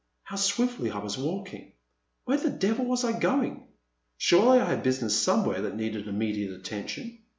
How swiftly I was walking ! Where the devil was I going? Surely I had business somewhere that needed immediate atten tion.